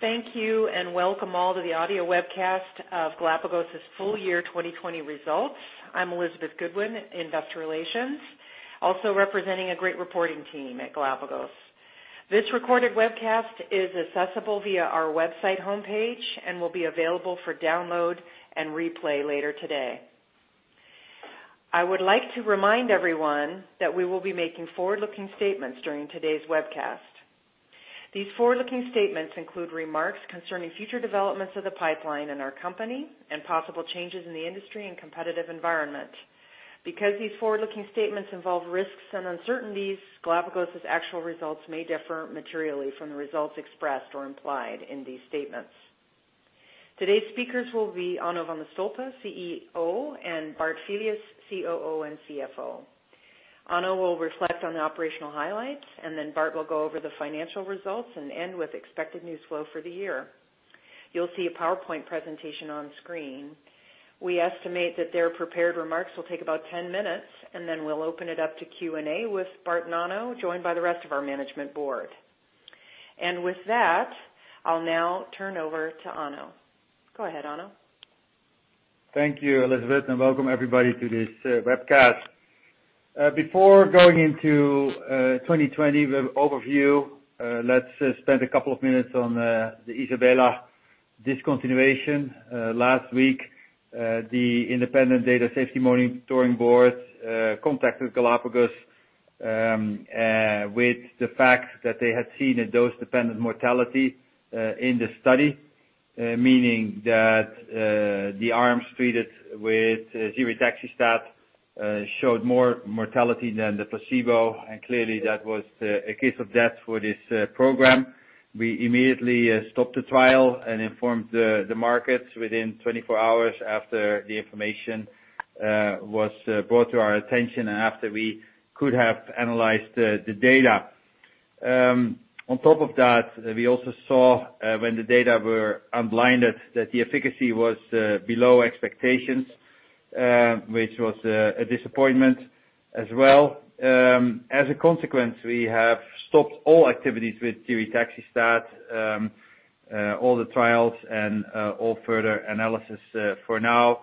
Thank you, and welcome all to the audio webcast of Galapagos' full-year 2020 results. I'm Elizabeth Goodwin in investor relations, also representing a great reporting team at Galapagos. This recorded webcast is accessible via our website homepage and will be available for download and replay later today. I would like to remind everyone that we will be making forward-looking statements during today's webcast. These forward-looking statements include remarks concerning future developments of the pipeline in our company and possible changes in the industry and competitive environment. Because these forward-looking statements involve risks and uncertainties, Galapagos' actual results may differ materially from the results expressed or implied in these statements. Today's speakers will be Onno van de Stolpe, CEO, and Bart Filius, COO and CFO. Onno will reflect on the operational highlights, and then Bart will go over the financial results and end with expected news flow for the year. You'll see a PowerPoint presentation on screen. We estimate that their prepared remarks will take about 10 minutes, and then we'll open it up to Q&A with Bart and Onno, joined by the rest of our management board. With that, I'll now turn over to Onno. Go ahead, Onno. Thank you, Elizabeth, and welcome everybody to this webcast. Before going into 2020 overview, let's spend a couple of minutes on the ISABELA discontinuation. Last week, the Independent Data Safety Monitoring Board contacted Galapagos with the fact that they had seen a dose-dependent mortality in the study, meaning that the arms treated with ziritaxestat showed more mortality than the placebo, and clearly that was a case of death for this program. We immediately stopped the trial and informed the markets within 24 hours after the information was brought to our attention and after we could have analyzed the data. On top of that, we also saw when the data were unblinded that the efficacy was below expectations, which was a disappointment as well. As a consequence, we have stopped all activities with ziritaxestat, all the trials and all further analysis for now.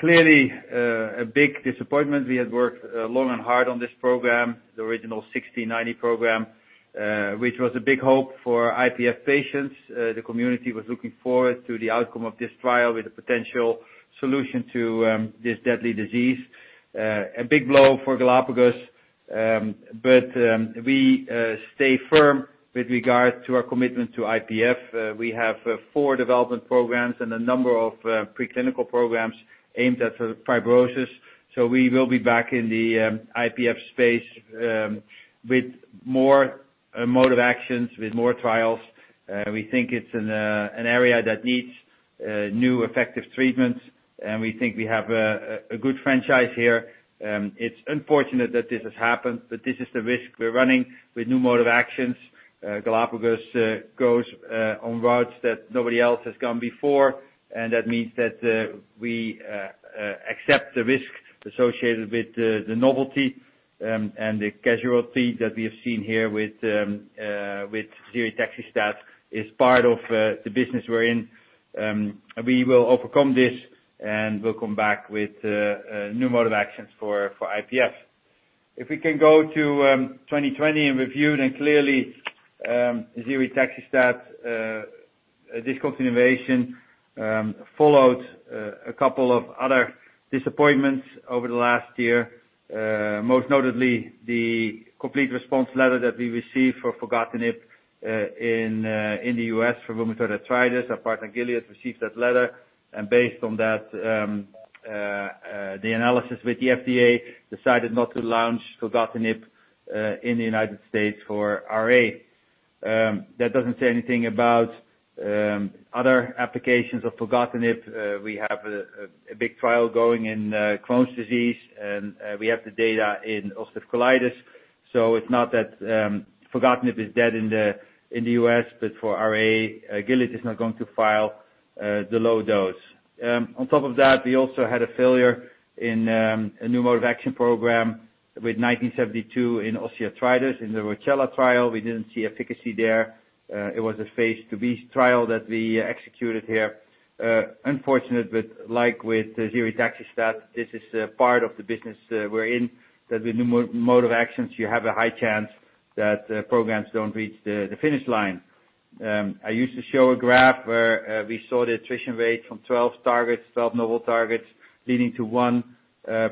Clearly, a big disappointment. We had worked long and hard on this program, the original 1690 program, which was a big hope for IPF patients. The community was looking forward to the outcome of this trial with a potential solution to this deadly disease. A big blow for Galapagos, but we stay firm with regard to our commitment to IPF. We have four development programs and a number of preclinical programs aimed at fibrosis. We will be back in the IPF space with more mode of actions, with more trials. We think it's an area that needs new effective treatments, and we think we have a good franchise here. It's unfortunate that this has happened, but this is the risk we're running with new mode of actions. Galapagos goes on routes that nobody else has gone before, and that means that we accept the risk associated with the novelty and the casualty that we have seen here with ziritaxestat is part of the business we're in. We will overcome this, and we'll come back with new mode of actions for IPF. If we can go to 2020 in review, clearly, ziritaxestat discontinuation followed a couple of other disappointments over the last year. Most notably, the complete response letter that we received for filgotinib in the U.S. for rheumatoid arthritis. Our partner, Gilead, received that letter, and based on that, the analysis with the FDA decided not to launch filgotinib in the United States for RA. That doesn't say anything about other applications of filgotinib. We have a big trial going in Crohn's disease, and we have the data in ulcerative colitis. It's not that filgotinib is dead in the U.S., but for RA, Gilead is not going to file the low dose. On top of that, we also had a failure in a new mode of action program with 1972 in osteoarthritis. In the ROCCELLA trial, we didn't see efficacy there. It was a phase II-B trial that we executed here. Unfortunate, but like with ziritaxestat, this is a part of the business we're in, that with new mode of actions, you have a high chance that programs don't reach the finish line. I used to show a graph where we saw the attrition rate from 12 targets, 12 novel targets, leading to one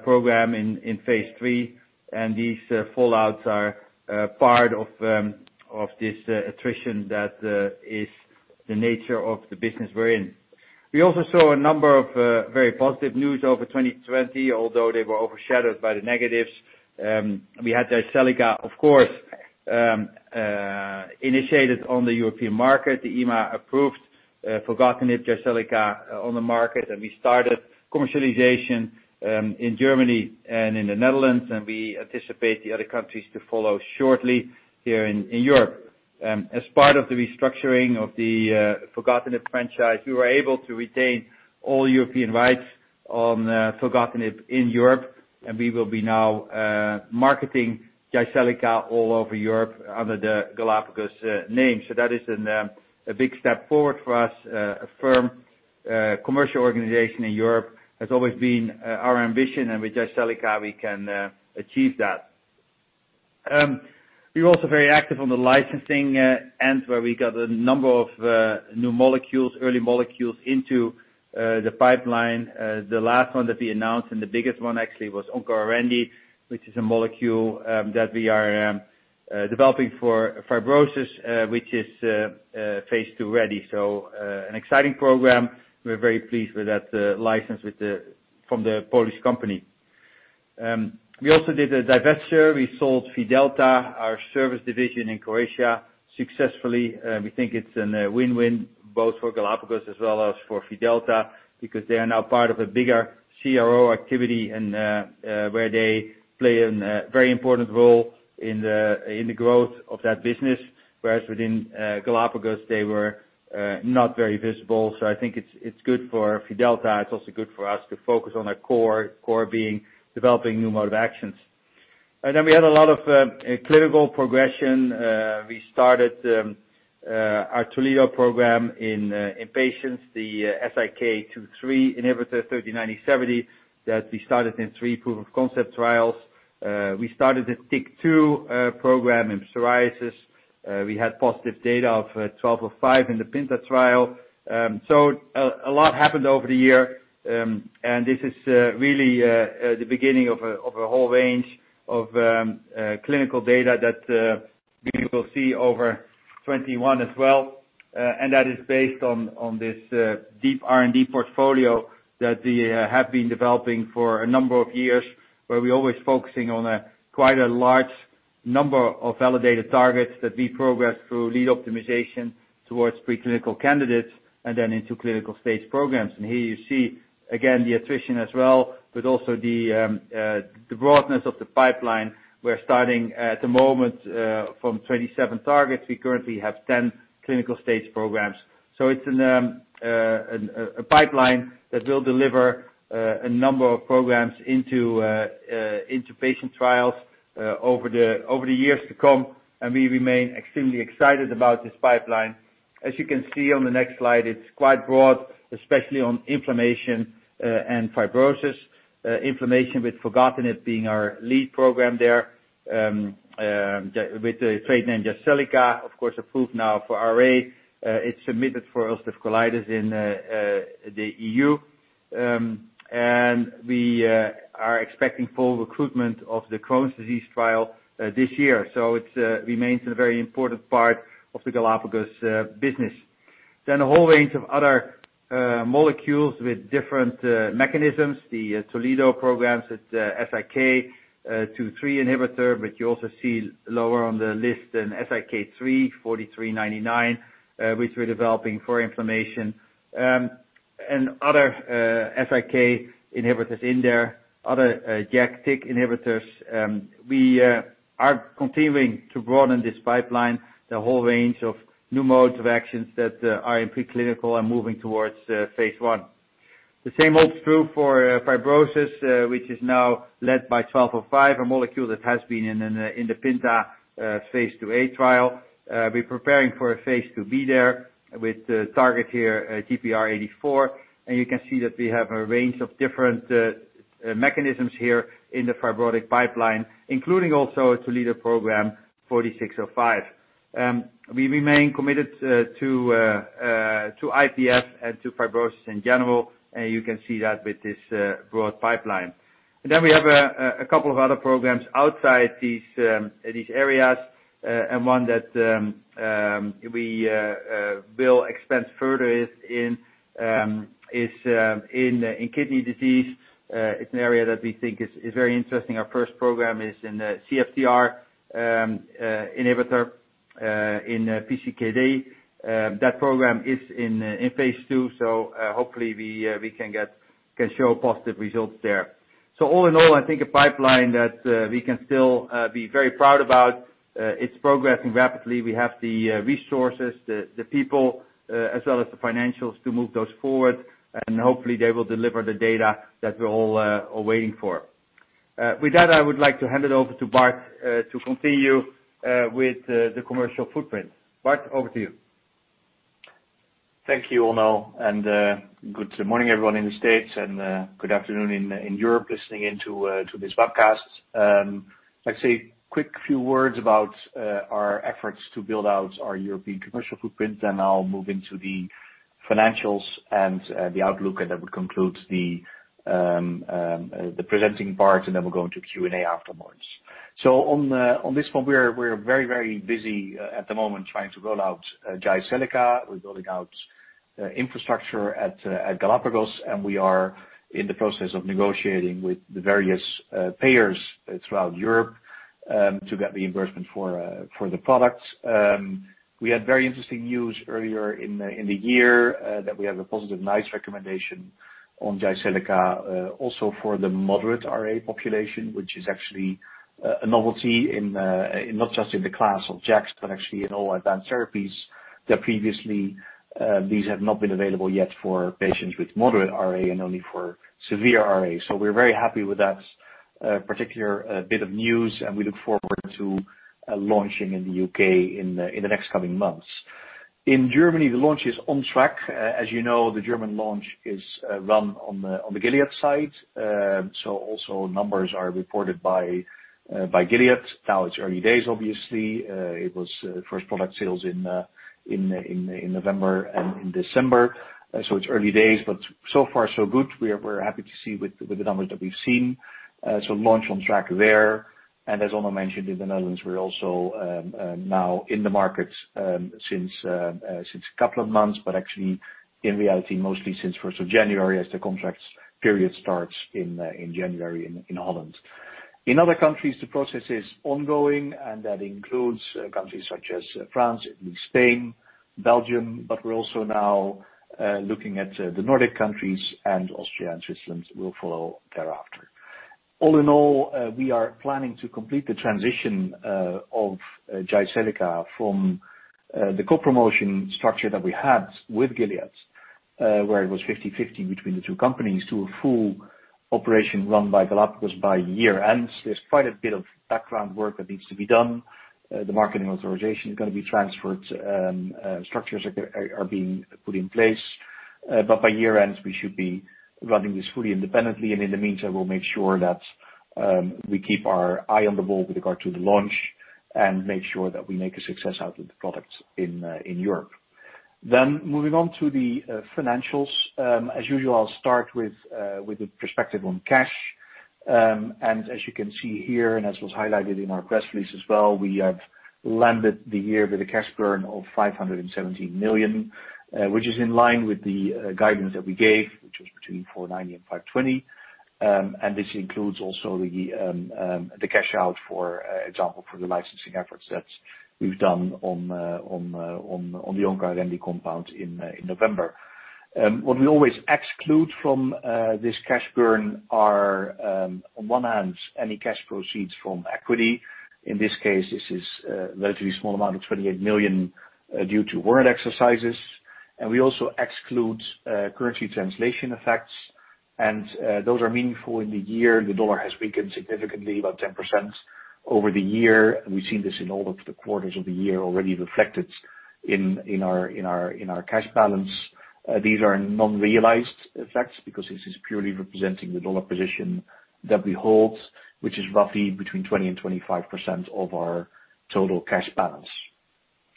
program in phase III, and these fallouts are part of this attrition that is the nature of the business we're in. We also saw a number of very positive news over 2020, although they were overshadowed by the negatives. We had Jyseleca, of course, initiated on the European market. The EMA approved filgotinib Jyseleca on the market, we started commercialization in Germany and in the Netherlands, we anticipate the other countries to follow shortly here in Europe. As part of the restructuring of the filgotinib franchise, we were able to retain all European rights on filgotinib in Europe, we will be now marketing Jyseleca all over Europe under the Galapagos name. That is a big step forward for us. A firm commercial organization in Europe has always been our ambition, with Jyseleca, we can achieve that. We're also very active on the licensing end, where we got a number of new molecules, early molecules into the pipeline. The last one that we announced, the biggest one actually was OncoArendi, which is a molecule that we are developing for fibrosis, which is phase II ready. An exciting program. We're very pleased with that license from the Polish company. We also did a divestiture. We sold Fidelta, our service division in Croatia, successfully. We think it's a win-win both for Galapagos as well as for Fidelta, because they are now part of a bigger CRO activity and where they play a very important role in the growth of that business. Within Galapagos, they were not very visible. I think it's good for Fidelta. It's also good for us to focus on our core being developing new mode of actions. We had a lot of clinical progression. We started our Toledo program in patients, the SIK2/3 inhibitor 3970 that we started in three proof of concept trials. We started the TYK2 program in psoriasis. We had positive data of 1205 in the PINTA trial. A lot happened over the year. This is really the beginning of a whole range of clinical data that we will see over 2021 as well. That is based on this deep R&D portfolio that we have been developing for a number of years, where we're always focusing on quite a large number of validated targets that we progress through lead optimization towards preclinical candidates, and then into clinical stage programs. Here you see again the attrition as well, but also the broadness of the pipeline. We're starting at the moment from 27 targets. We currently have 10 clinical stage programs. It's a pipeline that will deliver a number of programs into patient trials over the years to come. We remain extremely excited about this pipeline. As you can see on the next slide, it's quite broad, especially on inflammation and fibrosis. Inflammation with filgotinib being our lead program there, with the trade name Jyseleca, of course approved now for RA. It's submitted for ulcerative colitis in the EU. We are expecting full recruitment of the Crohn's disease trial this year. It remains a very important part of the Galapagos business. A whole range of other molecules with different mechanisms, the Toledo programs at SIK2/3 inhibitor. You also see lower on the list an SIK3 4399, which we're developing for inflammation. Other SIK inhibitors in there. Other JAK TYK inhibitors. We are continuing to broaden this pipeline. The whole range of new modes of actions that are in preclinical are moving towards phase I. The same holds true for fibrosis, which is now led by 1205, a molecule that has been in the PINTA phase II-A trial. We're preparing for a phase II-B there with the target here, GPR84. You can see that we have a range of different mechanisms here in the fibrotic pipeline, including also Toledo program 4605. We remain committed to IPF and to fibrosis in general, you can see that with this broad pipeline. We have a couple of other programs outside these areas, one that we will expand further is in kidney disease. It's an area that we think is very interesting. Our first program is in the CFTR inhibitor in PCKD. That program is in phase II, hopefully we can show positive results there. All in all, I think a pipeline that we can still be very proud about. It's progressing rapidly. We have the resources, the people, as well as the financials to move those forward, and hopefully they will deliver the data that we all are waiting for. With that, I would like to hand it over to Bart to continue with the commercial footprint. Bart, over to you. Thank you, Onno, and good morning everyone in the states, and good afternoon in Europe listening in to this broadcast. I'd say quick few words about our efforts to build out our European commercial footprint. I'll move into the financials and the outlook. That would conclude the presenting part. Then we'll go into Q&A afterwards. On this front, we're very busy at the moment trying to roll out Jyseleca. We're building out infrastructure at Galapagos. We are in the process of negotiating with the various payers throughout Europe to get reimbursement for the product. We had very interesting news earlier in the year that we have a positive NICE recommendation on Jyseleca, also for the moderate RA population, which is actually a novelty, not just in the class of JAK, but actually in all advanced therapies that previously these have not been available yet for patients with moderate RA and only for severe RA. We're very happy with that particular bit of news, and we look forward to launching in the U.K. in the next coming months. In Germany, the launch is on track. As you know, the German launch is run on the Gilead side. Also numbers are reported by Gilead. Now it's early days, obviously. It was first product sales in November and December. It's early days, but so far, so good. We're happy to see with the numbers that we've seen. Launch on track there. As Onno mentioned, in the Netherlands, we're also now in the market since a couple of months, but actually in reality, mostly since 1st of January, as the contract's period starts in January in Holland. In other countries, the process is ongoing, and that includes countries such as France, Spain, Belgium, but we're also now looking at the Nordic countries, and Austria and Switzerland will follow thereafter. All in all, we are planning to complete the transition of Jyseleca from the co-promotion structure that we had with Gilead, where it was 50/50 between the two companies, to a full operation run by Galapagos by year-end. There's quite a bit of background work that needs to be done. The marketing authorization is going to be transferred. Structures are being put in place. By year-end, we should be running this fully independently, and in the meantime, we'll make sure that we keep our eye on the ball with regard to the launch and make sure that we make a success out of the product in Europe. Moving on to the financials. As usual, I'll start with the perspective on cash. As you can see here, and as was highlighted in our press release as well, we have landed the year with a cash burn of 517 million, which is in line with the guidance that we gave, which was between 490 million and 520 million. This includes also the cash out, for example, for the licensing efforts that we've done on the OncoArendi compound in November. What we always exclude from this cash burn are, on one hand, any cash proceeds from equity. In this case, this is a relatively small amount of 28 million due to warrant exercises. We also exclude currency translation effects, and those are meaningful in the year. The dollar has weakened significantly, about 10%, over the year. We've seen this in all of the quarters of the year already reflected in our cash balance. These are non-realized effects because this is purely representing the dollar position that we hold, which is roughly between 20% and 25% of our total cash balance.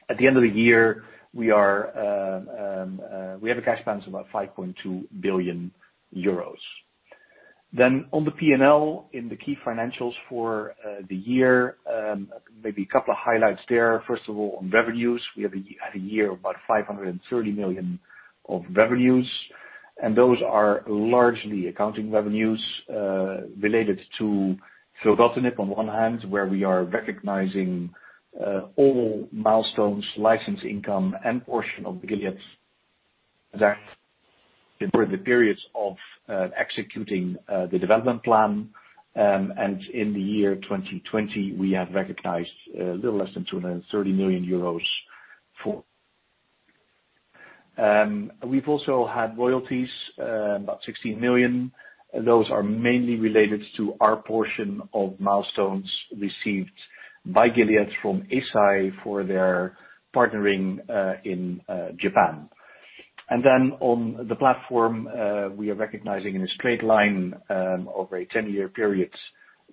At the end of the year, we have a cash balance of about 5.2 billion euros. On the P&L in the key financials for the year, maybe a couple of highlights there. First of all, on revenues. We had a year of about 530 million of revenues, those are largely accounting revenues related to filgotinib on one hand, where we are recognizing all milestones, license income, and portion of the Gilead's for the periods of executing the development plan. In the year 2020, we have recognized a little less than 230 million euros. We've also had royalties, about 16 million. Those are mainly related to our portion of milestones received by Gilead from Eisai for their partnering in Japan. On the platform, we are recognizing in a straight line over a 10-year period,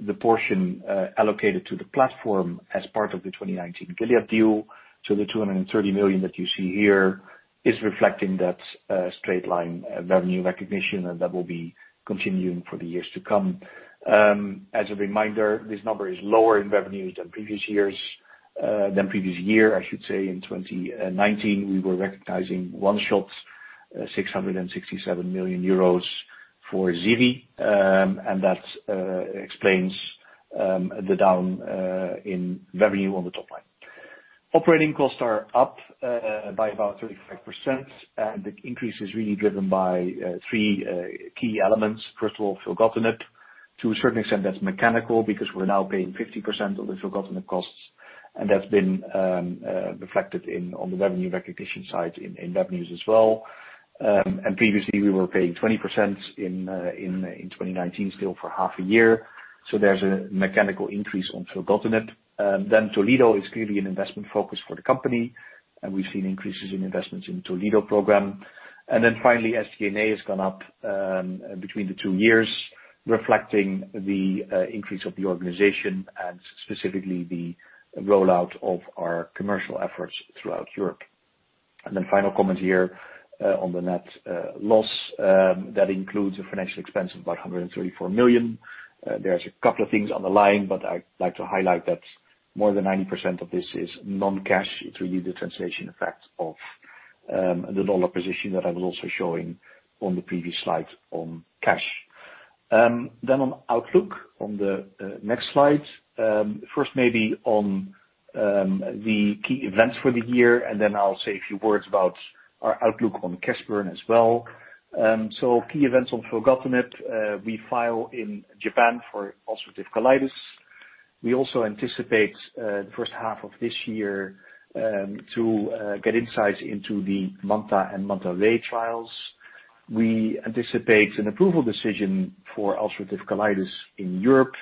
the portion allocated to the platform as part of the 2019 Gilead deal. The 230 million that you see here is reflecting that straight-line revenue recognition, that will be continuing for the years to come. As a reminder, this number is lower in revenues than previous year, I should say. In 2019, we were recognizing one shot, 667 million euros for ziri, and that explains the down in revenue on the top line. Operating costs are up by about 35%, and the increase is really driven by three key elements. First of all, filgotinib. To a certain extent, that's mechanical because we're now paying 50% of the filgotinib costs, and that's been reflected on the revenue recognition side in revenues as well. Previously, we were paying 20% in 2019, still for half a year. There's a mechanical increase on filgotinib. Toledo is clearly an investment focus for the company, and we've seen increases in investments in Toledo program. Finally, SG&A has gone up between the two years, reflecting the increase of the organization and specifically the rollout of our commercial efforts throughout Europe. Final comment here on the net loss. That includes a financial expense of about 134 million. There's a couple of things on the line, but I'd like to highlight that more than 90% of this is non-cash. It's really the translation effect of the dollar position that I was also showing on the previous slide on cash. On outlook, on the next slide. First, maybe on the key events for the year, and then I'll say a few words about our outlook on cash burn as well. Key events on filgotinib. We file in Japan for ulcerative colitis. We also anticipate the first half of this year to get insights into the MANTA and MANTA-RAy trials. We anticipate an approval decision for ulcerative colitis in Europe.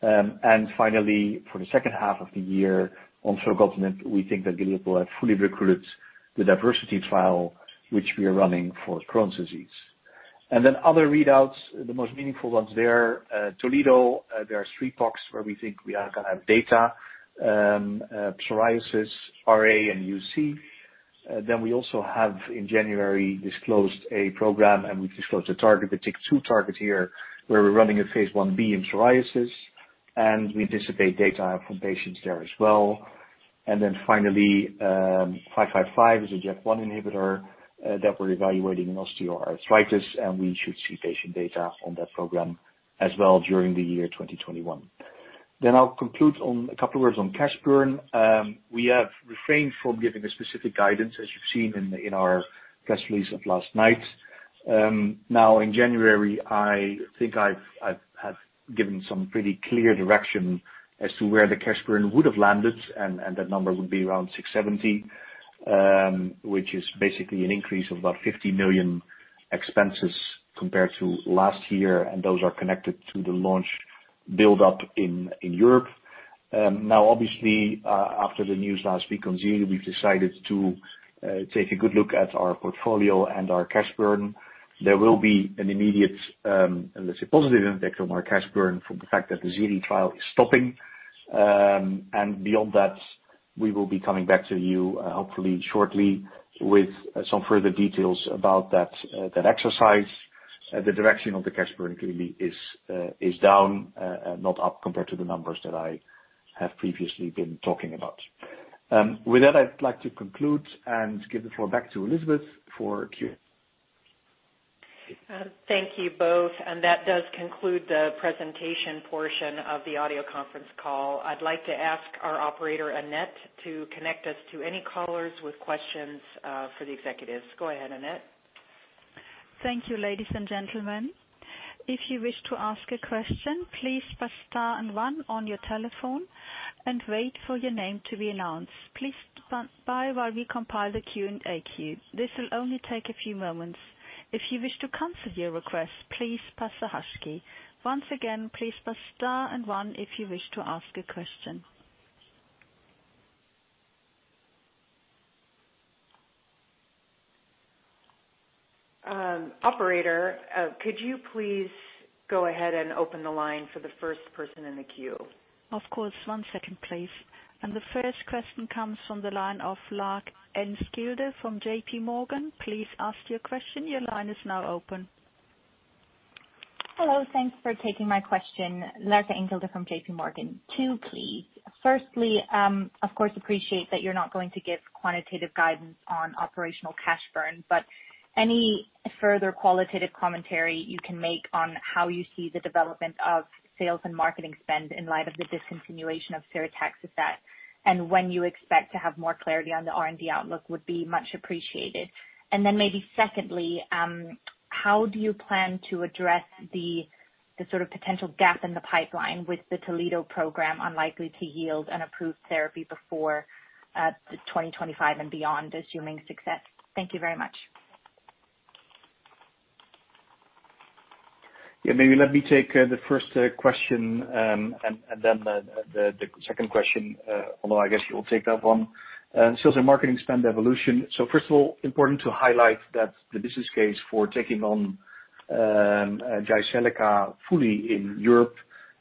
Finally, for the second half of the year on filgotinib, we think that Gilead will have fully recruited the DIVERSITY trial, which we are running for Crohn's disease. Then other readouts, the most meaningful ones there, Toledo, there are three boxes where we think we are going to have data, psoriasis, RA, and UC. We also have, in January, disclosed a program, and we disclosed a target, the TYK2 target here, where we're running a phase I-B in psoriasis, and we anticipate data from patients there as well. Finally, 555 is a JAK1 inhibitor that we're evaluating in osteoarthritis, and we should see patient data on that program as well during the year 2021. I'll conclude on a couple words on cash burn. We have refrained from giving a specific guidance, as you've seen in our press release of last night. In January, I think I have given some pretty clear direction as to where the cash burn would have landed, and that number would be around 670 million, which is basically an increase of about 50 million expenses compared to last year, and those are connected to the launch build-up in Europe. Obviously, after the news last week on ziri, we've decided to take a good look at our portfolio and our cash burn. There will be an immediate, let's say, positive impact on our cash burn from the fact that the ziri trial is stopping. Beyond that, we will be coming back to you hopefully shortly with some further details about that exercise. The direction of the cash burn clearly is down, not up compared to the numbers that I have previously been talking about. With that, I'd like to conclude and give the floor back to Elizabeth for Q&A. Thank you both. That does conclude the presentation portion of the audio conference call. I'd like to ask our operator, Annette, to connect us to any callers with questions for the executives. Go ahead, Annette. Thank you, ladies and gentlemen. If you wish to ask a question, please press star and one on your telephone and wait for your name to be announced. Please stand by while we compile the Q&A queue. This will only take a few moments. If you wish to cancel your request, please press hash key. Once again, please press star and one if you wish to ask a question. Operator, could you please go ahead and open the line for the first person in the queue? Of course. One second, please. The first question comes from the line of Laerke Engkilde from JPMorgan. Please ask your question. Your line is now open. Hello. Thanks for taking my question. Laerke Engkilde from JPMorgan. Two, please. Firstly, of course, appreciate that you're not going to give quantitative guidance on operational cash burn, but any further qualitative commentary you can make on how you see the development of sales and marketing spend in light of the discontinuation of ziritaxestat, and when you expect to have more clarity on the R&D outlook would be much appreciated. Maybe secondly, how do you plan to address the sort of potential gap in the pipeline with the Toledo program unlikely to yield an approved therapy before 2025 and beyond, assuming success? Thank you very much. Maybe let me take the first question and then the second question, Onno, I guess you'll take that one. Sales and marketing spend evolution. First of all, important to highlight that the business case for taking on Jyseleca fully in Europe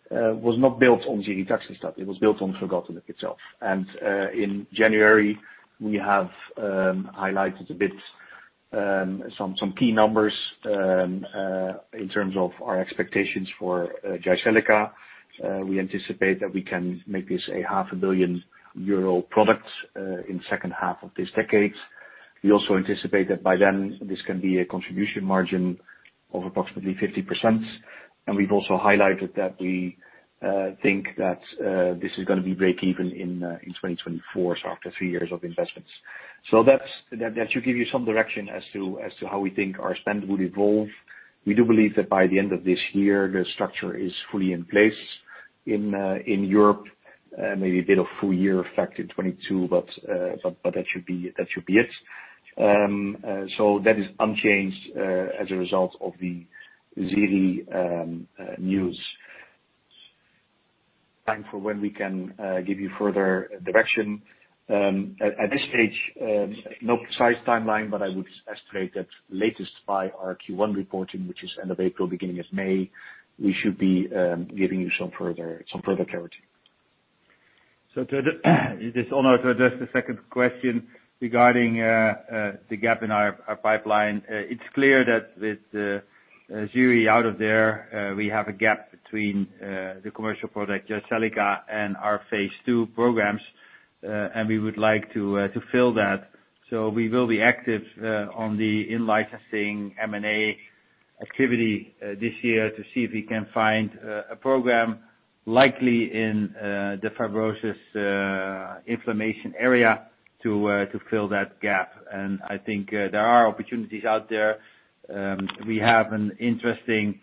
was not built on ziritaxestat. It was built on filgotinib itself. In January, we have highlighted a bit some key numbers in terms of our expectations for Jyseleca. We anticipate that we can make this 500 million euro product in second half of this decade. We also anticipate that by then, this can be a contribution margin of approximately 50%. We've also highlighted that we think that this is going to be breakeven in 2024, so after three years of investments. That should give you some direction as to how we think our spend would evolve. We do believe that by the end of this year, the structure is fully in place in Europe. Maybe a bit of full year effect in 2022, but that should be it. That is unchanged as a result of the ziri news. Time for when we can give you further direction. At this stage, no precise timeline, but I would speculate that latest by our Q1 reporting, which is end of April, beginning of May, we should be giving you some further clarity. This is Onno, to address the second question regarding the gap in our pipeline. It's clear that with ziri out of there, we have a gap between the commercial product, Jyseleca, and our phase II programs, and we would like to fill that. We will be active on the in-licensing M&A activity this year to see if we can find a program likely in the fibrosis inflammation area to fill that gap. I think there are opportunities out there. We have an interesting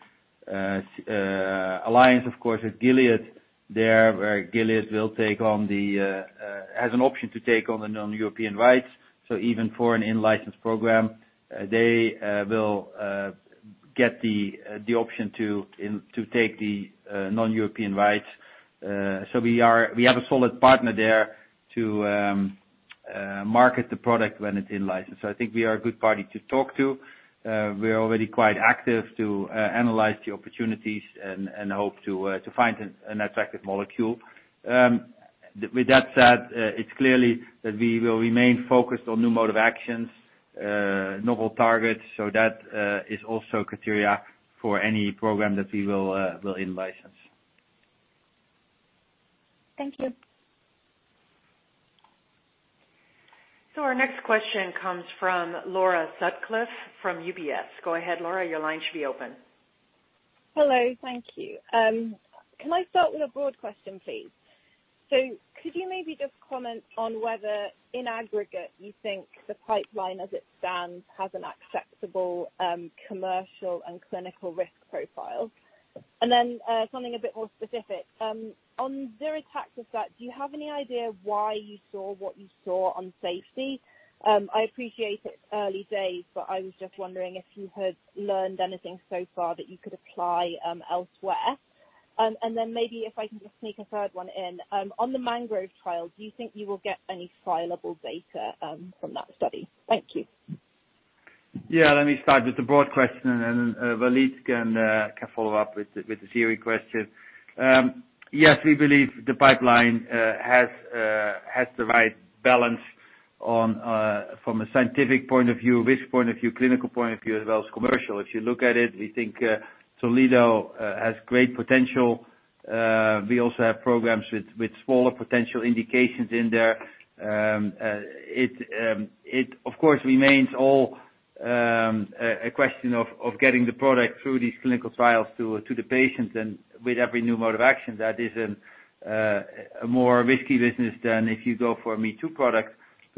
alliance, of course, with Gilead there, where Gilead has an option to take on the non-European rights. Even for an in-license program, they will get the option to take the non-European rights. We have a solid partner there to market the product when it's in license. I think we are a good party to talk to. We're already quite active to analyze the opportunities and hope to find an attractive molecule. With that said, it's clearly that we will remain focused on new mode of actions, novel targets. That is also criteria for any program that we will in-license. Thank you. Our next question comes from Laura Sutcliffe from UBS. Go ahead, Laura, your line should be open. Hello. Thank you. Can I start with a broad question, please? Could you maybe just comment on whether in aggregate you think the pipeline as it stands has an acceptable commercial and clinical risk profile? Something a bit more specific. On ziritaxestat, do you have any idea why you saw what you saw on safety? I appreciate it's early days, but I was just wondering if you had learned anything so far that you could apply elsewhere. Maybe if I can just sneak a third one in. On the MANGROVE trial, do you think you will get any fileable data from that study? Thank you. Yeah. Let me start with the broad question, and then Walid can follow up with the ziri question. Yes, we believe the pipeline has the right balance from a scientific point of view, risk point of view, clinical point of view as well as commercial. If you look at it, we think Toledo has great potential. We also have programs with smaller potential indications in there. It, of course, remains all a question of getting the product through these clinical trials to the patients and with every new mode of action. That is a more risky business than if you go for a me-too product.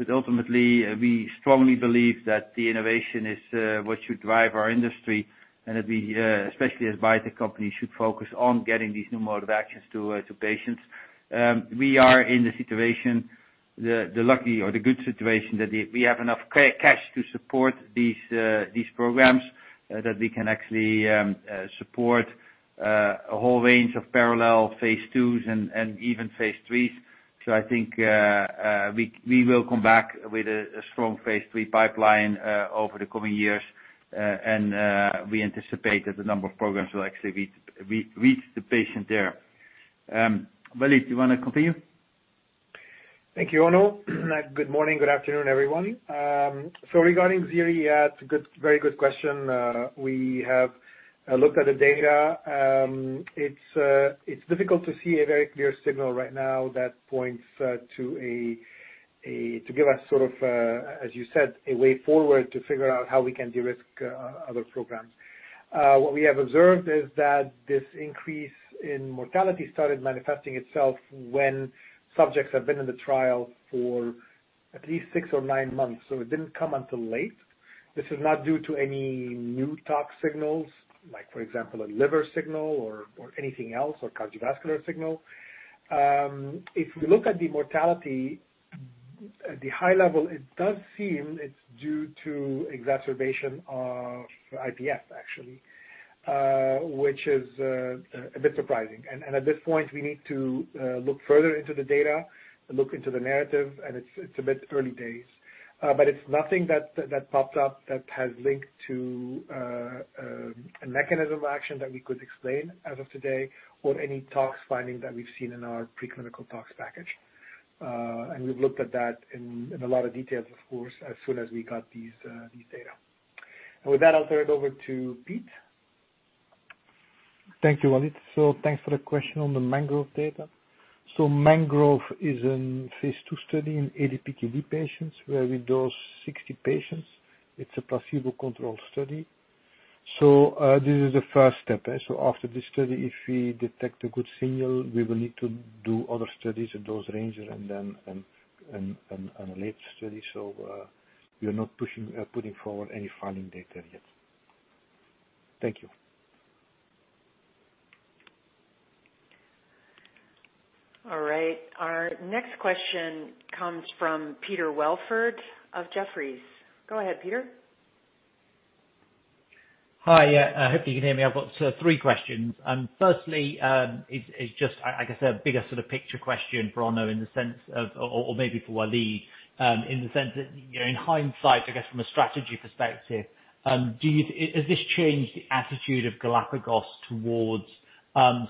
Ultimately, we strongly believe that the innovation is what should drive our industry, and that we, especially as biotech companies, should focus on getting these new mode of actions to patients. We are in the situation, the lucky or the good situation, that we have enough cash to support these programs. We can actually support a whole range of parallel phase II and even phase III. I think we will come back with a strong phase III pipeline over the coming years. We anticipate that the number of programs will actually reach the patient there. Walid, do you want to continue? Thank you, Onno. Good morning. Good afternoon, everyone. Regarding ziri, yeah, it's a very good question. We have looked at the data. It's difficult to see a very clear signal right now that points to give us sort of, as you said, a way forward to figure out how we can de-risk other programs. What we have observed is that this increase in mortality started manifesting itself when subjects have been in the trial for at least six or nine months. It didn't come until late. This is not due to any new tox signals, like, for example, a liver signal or anything else, or cardiovascular signal. If we look at the mortality at the high level, it does seem it's due to exacerbation of IPF, actually, which is a bit surprising. At this point, we need to look further into the data, look into the narrative, and it's a bit early days. It's nothing that popped up that has linked to a mechanism of action that we could explain as of today or any tox finding that we've seen in our preclinical tox package. We've looked at that in a lot of details, of course, as soon as we got these data. With that, I'll turn it over to Piet. Thank you, Walid. Thanks for the question on the MANGROVE data. MANGROVE is in phase II study in ADPKD patients where we dose 60 patients. It's a placebo-controlled study. This is the first step. After this study, if we detect a good signal, we will need to do other studies at dose range and then a late study. We are not putting forward any filing data yet. Thank you. All right. Our next question comes from Peter Welford of Jefferies. Go ahead, Peter. Hi. I hope you can hear me. I've got three questions. Firstly, it's just, I guess, a bigger sort of picture question for Onno in the sense of or maybe for Walid, in the sense that, in hindsight, I guess, from a strategy perspective, has this changed the attitude of Galapagos towards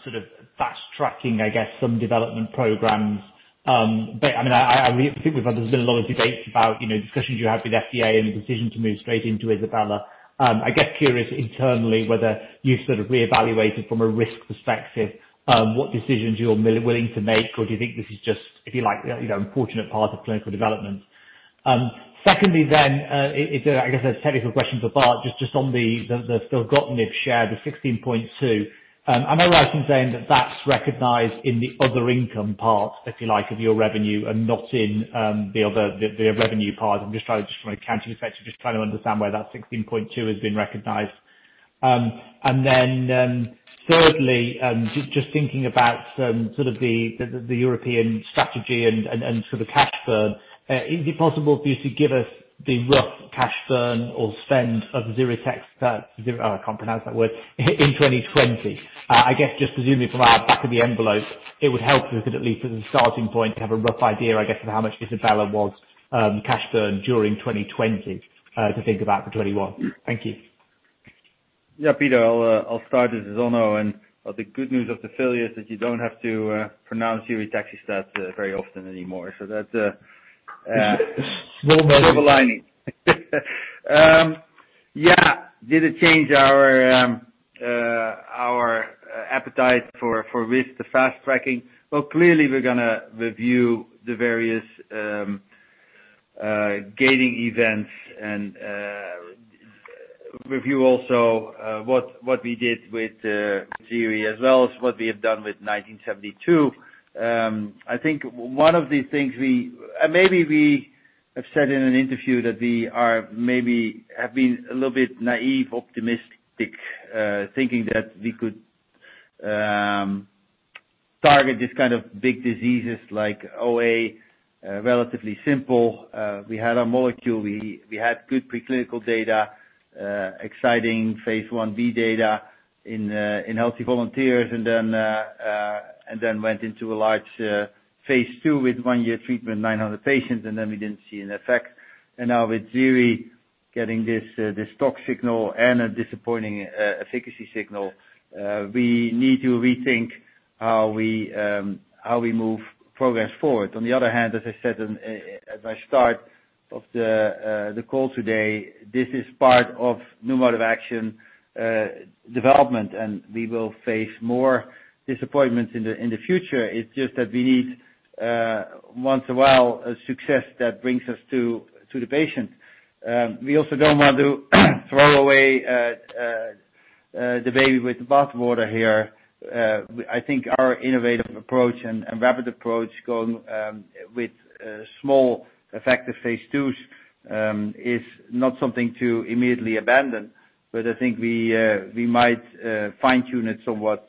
sort of fast tracking, I guess, some development programs? I think there's been a lot of debates about discussions you have with FDA and the decision to move straight into ISABELA. I get curious internally whether you've sort of reevaluated from a risk perspective what decisions you're willing to make, or do you think this is just, if you like, unfortunate part of clinical development? Secondly then, I guess a technical question for Bart, just on the filgotinib share, the 16.2 million. Am I right in saying that's recognized in the other income part, if you like, of your revenue and not in the other, the revenue part? I'm just trying from an accounting perspective, just trying to understand where that 16.2 million has been recognized. Thirdly, just thinking about the European strategy and sort of cash burn. Is it possible for you to give us the rough cash burn or spend of ziritaxestat, I can't pronounce that word, in 2022? I guess just presumably from a back of the envelope, it would help us at least as a starting point to have a rough idea, I guess, of how much ISABELA was cash burn during 2020 to think about for 2021. Thank you. Yeah, Peter, I'll start this. It's Onno. The good news of the failure is that you don't have to pronounce ziri very often anymore. That's a silver lining. Yeah. Did it change our appetite for risk, the fast-tracking? Clearly we're going to review the various gating events and review also what we did with ziri as well as what we have done with 1972. I think one of the things, maybe we have said in an interview that we maybe have been a little bit naive, optimistic, thinking that we could target these kind of big diseases like OA, relatively simple. We had our molecule, we had good preclinical data, exciting phase I-B data in healthy volunteers. Went into a large phase II with one year treatment, 900 patients, we didn't see an effect. Now with ziri getting this stock signal and a disappointing efficacy signal, we need to rethink how we move progress forward. On the other hand, as I said at my start of the call today, this is part of new mode of action development, and we will face more disappointments in the future. It's just that we need, once in a while, a success that brings us to the patient. We also don't want to throw away the baby with the bath water here. I think our innovative approach and rapid approach going with small effective phase IIs is not something to immediately abandon. I think we might fine-tune it somewhat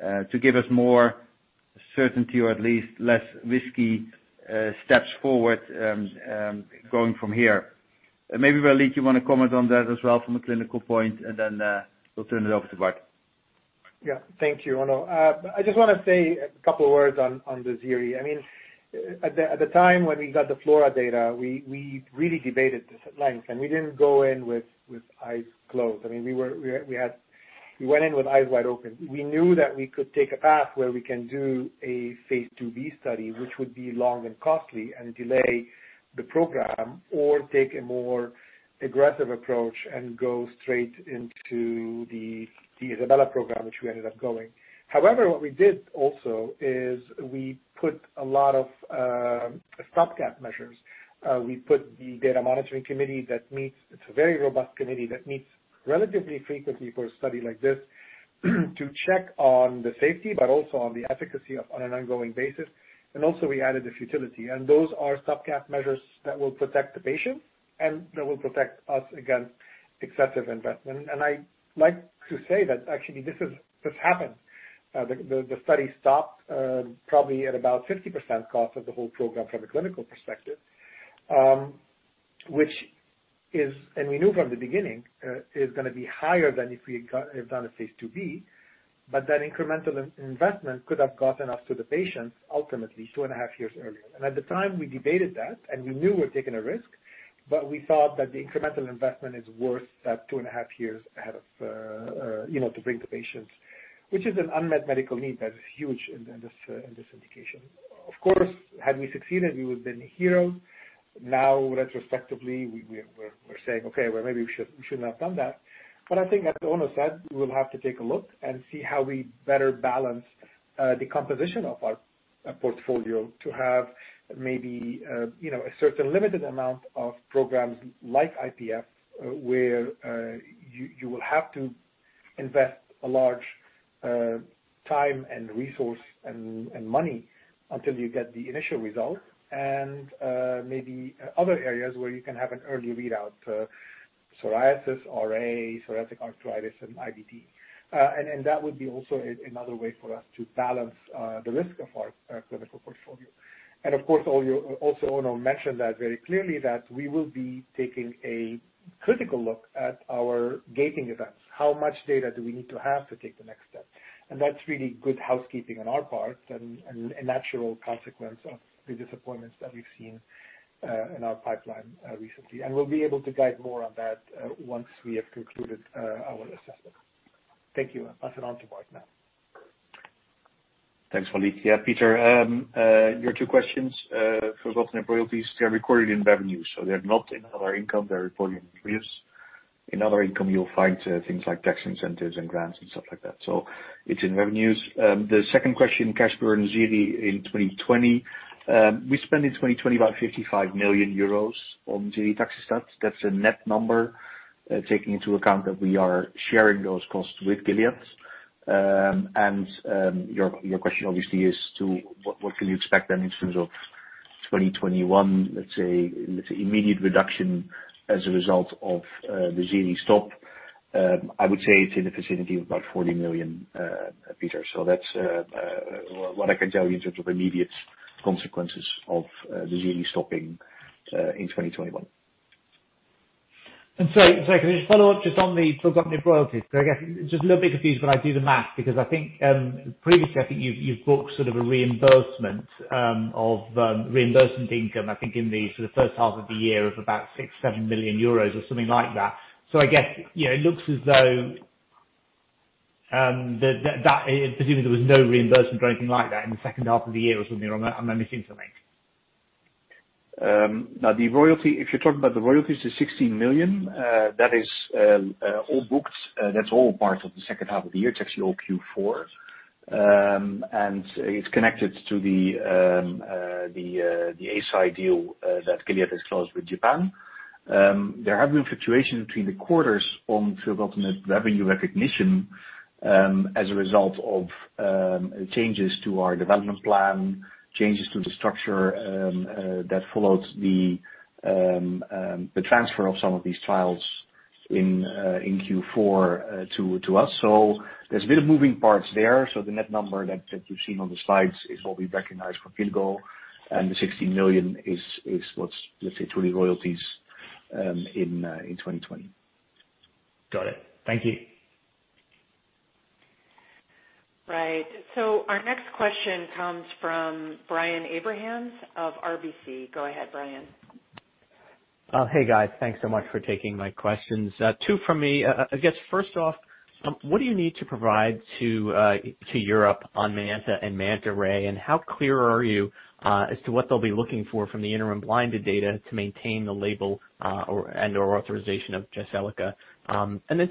to give us more certainty or at least less risky steps forward going from here. Maybe Walid, you want to comment on that as well from a clinical point, and then we'll turn it over to Bart. Thank you, Onno. I just want to say a couple of words on the ziri. At the time when we got the FLORA data, we really debated this at length, we didn't go in with eyes closed. We went in with eyes wide open. We knew that we could take a path where we can do a phase II-B study, which would be long and costly and delay the program, or take a more aggressive approach and go straight into the ISABELA program, which we ended up going. What we did also is we put a lot of stopgap measures. We put the data monitoring committee that meets. It's a very robust committee that meets relatively frequently for a study like this to check on the safety, but also on the efficacy on an ongoing basis. Also we added the futility. Those are stopgap measures that will protect the patient and that will protect us against excessive investment. I like to say that actually this happened. The study stopped probably at about 50% cost of the whole program from a clinical perspective. We knew from the beginning, it is going to be higher than if we had done a phase II-B, but that incremental investment could have gotten us to the patients ultimately two and a half years earlier. At the time we debated that and we knew we're taking a risk, but we thought that the incremental investment is worth that two and a half years to bring to patients, which is an unmet medical need that is huge in this indication. Of course, had we succeeded, we would've been heroes. Now retrospectively, we're saying, okay, well maybe we shouldn't have done that. I think as Onno said, we'll have to take a look and see how we better balance the composition of our portfolio to have maybe a certain limited amount of programs like IPF, where you will have to invest a large time and resource and money until you get the initial result. Maybe other areas where you can have an early readout, psoriasis, RA, psoriatic arthritis, and IBD. That would be also another way for us to balance the risk of our clinical portfolio. Of course, also Onno mentioned that very clearly that we will be taking a critical look at our gating events. How much data do we need to have to take the next step? That's really good housekeeping on our part and a natural consequence of the disappointments that we've seen in our pipeline recently. We'll be able to guide more on that once we have concluded our assessment. Thank you. Pass it on to Bart now. Thanks, Walid. Yeah, Peter, your two questions filgotinib royalties, they are recorded in revenue, so they're not in our income, they're recorded in revenues. In other income, you'll find things like tax incentives and grants and stuff like that. It's in revenues. The second question, cash burn ziri in 2020. We spent in 2020 about 55 million euros on ziritaxestat. That's a net number, taking into account that we are sharing those costs with Gilead. Your question obviously is what can you expect then in terms of 2021, let's say immediate reduction as a result of the ziri stop. I would say it's in the vicinity of about 40 million, Peter. That's what I can tell you in terms of immediate consequences of the ziri stopping in 2021. If I could just follow up just on the filgotinib royalties. I guess just a little bit confused when I do the math because I think previously, I think you've booked sort of a reimbursement income, I think in the sort of first half of the year of about 6 million, 7 million euros or something like that. I guess, it looks as though, presumably there was no reimbursement or anything like that in the second half of the year or something. Am I missing something? Now the royalty, if you're talking about the royalties, the 16 million, that is all booked. That's all part of the second half of the year. It's actually all Q4. It's connected to the Eisai deal that Gilead has closed with Japan. There have been fluctuations between the quarters on filgotinib revenue recognition, as a result of changes to our development plan, changes to the structure, that followed the transfer of some of these trials in Q4 to us. There's a bit of moving parts there. The net number that you've seen on the slides is what we recognize for filgo, and the 16 million is what's, let's say, truly royalties in 2020. Got it. Thank you. Right. Our next question comes from Brian Abrahams of RBC. Go ahead, Brian. Hey, guys. Thanks so much for taking my questions. Two from me. I guess, first off, what do you need to provide to Europe on MANTA and MANTA-RAy, and how clear are you as to what they'll be looking for from the interim blinded data to maintain the label and/or authorization of Jyseleca?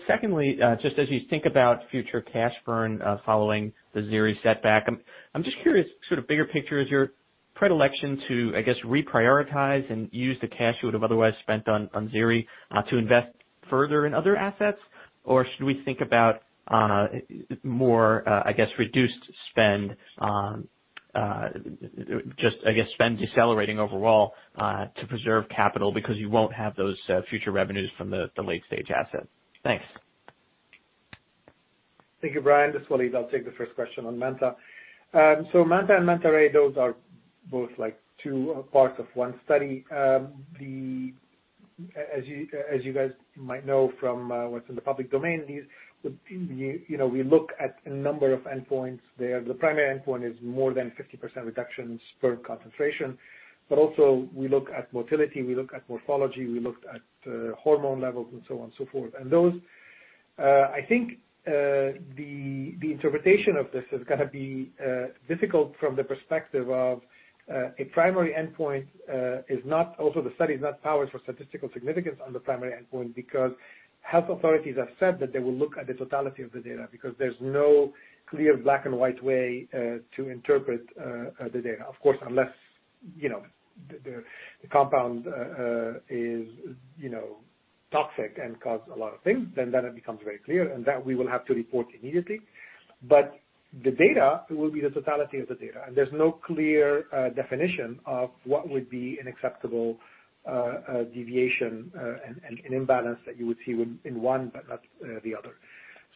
Secondly, just as you think about future cash burn following the ziri setback, I'm just curious, sort of bigger picture, is your predilection to, I guess, reprioritize and use the cash you would have otherwise spent on ziri to invest further in other assets, or should we think about more, I guess, reduced spend on just, I guess, spend decelerating overall to preserve capital because you won't have those future revenues from the late-stage asset? Thanks. Thank you, Brian. This is Walid. I'll take the first question on MANTA. MANTA and MANTA-RAy, those are both two parts of one study. As you guys might know from what's in the public domain, we look at a number of endpoints there. The primary endpoint is more than 50% reduction in sperm concentration, but also we look at motility, we look at morphology, we looked at hormone levels and so on and so forth. Those, I think, the interpretation of this is going to be difficult from the perspective of a primary endpoint. Also, the study is not powered for statistical significance on the primary endpoint because health authorities have said that they will look at the totality of the data because there's no clear black and white way to interpret the data. Of course, unless the compound is toxic and cause a lot of things, then it becomes very clear and that we will have to report immediately. The data will be the totality of the data. There's no clear definition of what would be an acceptable deviation and an imbalance that you would see in one but not the other.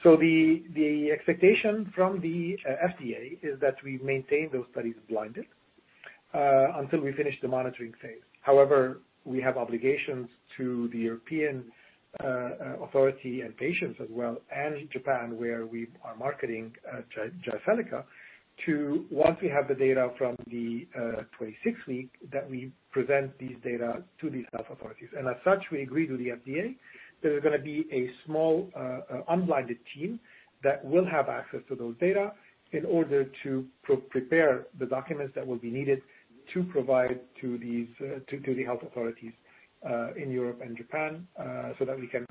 The expectation from the FDA is that we maintain those studies blinded until we finish the monitoring phase. However, we have obligations to the European authority and patients as well, and Japan, where we are marketing Jyseleca, to once we have the data from the 26-week, that we present these data to these health authorities. As such, we agree to the FDA. There's going to be a small unblinded team that will have access to those data in order to prepare the documents that will be needed to provide to the health authorities in Europe and Japan so that we can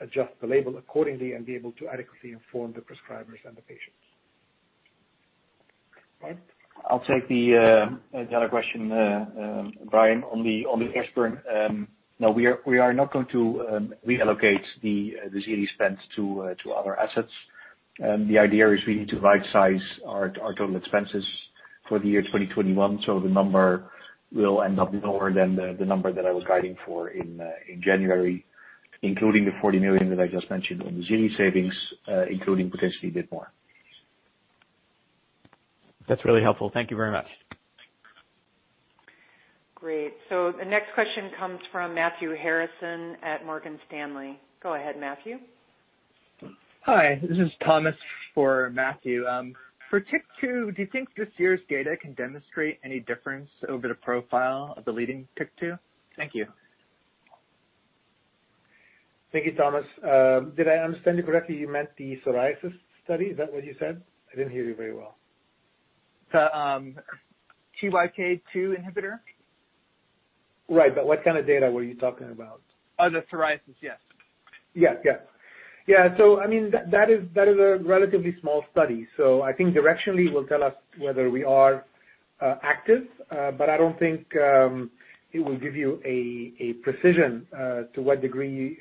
adjust the label accordingly and be able to adequately inform the prescribers and the patients. Brian. I'll take the other question, Brian, on the cash burn. We are not going to reallocate the ziri spend to other assets. The idea is we need to right size our total expenses for the year 2021. The number will end up lower than the number that I was guiding for in January, including the 40 million that I just mentioned on the ziri savings, including potentially a bit more. That's really helpful. Thank you very much. Great. The next question comes from Matthew Harrison at Morgan Stanley. Go ahead, Matthew. Hi. This is Thomas for Matthew. For TYK2, do you think this year's data can demonstrate any difference over the profile of the leading TYK2? Thank you. Thank you, Thomas. Did I understand you correctly, you meant the psoriasis study? Is that what you said? I didn't hear you very well. The TYK2 inhibitor? Right, what kind of data were you talking about? Oh, the psoriasis. Yes. Yes. That is a relatively small study. I think directionally, it will tell us whether we are active. I don't think it will give you a precision to what degree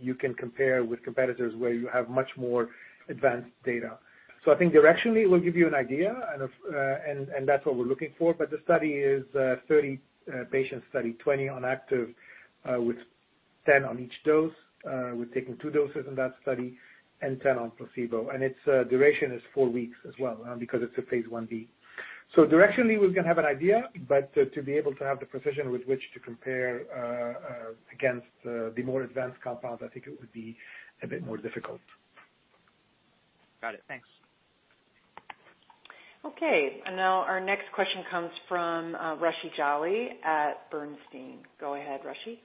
you can compare with competitors where you have much more advanced data. I think directionally it will give you an idea, and that's what we're looking for. The study is a 30-patient study, 20 on active, with 10 on each dose. We're taking two doses in that study, and 10 on placebo. Its duration is four weeks as well because it's a phase I-B. Directionally, we're going to have an idea, but to be able to have the precision with which to compare against the more advanced compounds, I think it would be a bit more difficult. Got it. Thanks. Okay. Now our next question comes from Rushee Jolly at Bernstein. Go ahead, Rushee.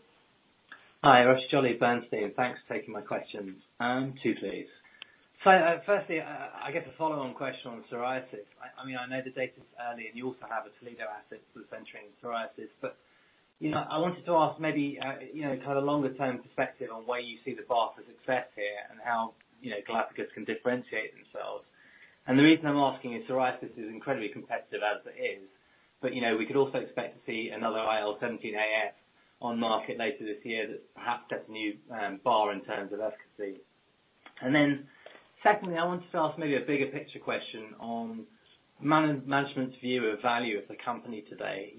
Hi. Rushee Jolly, Bernstein. Thanks for taking my questions. Two, please. Firstly, I get the follow-on question on psoriasis. I know the data's early and you also have a Toledo asset that's entering psoriasis, but I wanted to ask maybe, kind of longer-term perspective on where you see the bar for success here and how Galapagos can differentiate themselves. The reason I'm asking is psoriasis is incredibly competitive as it is, but we could also expect to see another IL-17A on market later this year that perhaps sets a new bar in terms of efficacy. Secondly, I wanted to ask maybe a bigger picture question on management's view of value of the company today.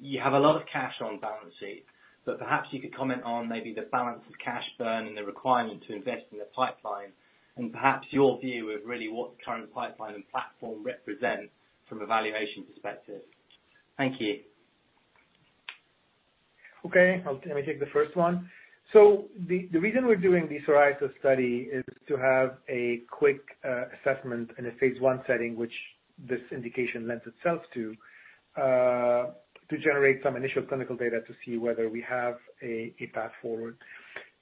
You have a lot of cash on balance sheet, but perhaps you could comment on maybe the balance of cash burn and the requirement to invest in the pipeline, and perhaps your view of really what the current pipeline and platform represent from a valuation perspective. Thank you. Okay. Let me take the first one. The reason we're doing the psoriasis study is to have a quick assessment in a phase I setting, which this indication lends itself to generate some initial clinical data to see whether we have a path forward.